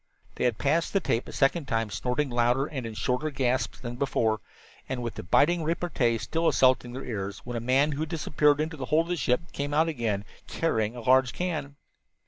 They had passed the tape a second time, snorting louder and in shorter gasps than before, and with the biting repartee still assailing their ears, when the man who had disappeared into the hold of the ship came into sight again, carrying a large can.